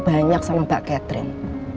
banyak sama mbak catherine